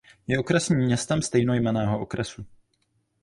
Je okresním městem stejnojmenného okresu.